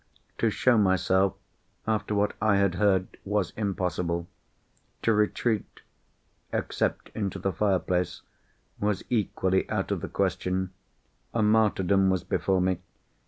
To show myself, after what I had heard, was impossible. To retreat—except into the fireplace—was equally out of the question. A martyrdom was before me.